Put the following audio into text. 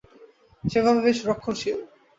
সেভাবে বেশ রক্ষণশীল।